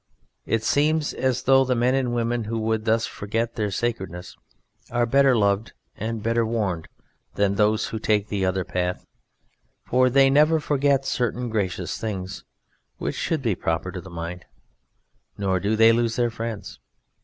It seems as though the men and women who would thus forget their sacredness are better loved and better warned than those who take the other path, for they never forget certain gracious things which should be proper to the mind, nor do they lose their friends.